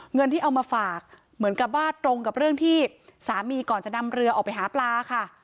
เงินที่เอามาฝากเหมือนกับว่าตรงกับเรื่องที่สามีก่อนจะนำเรือออกไปหาปลาค่ะ